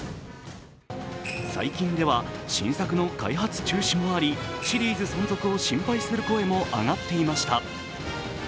最近では新作の開発中止もありシリーズ存続を心配する声も上がっていました。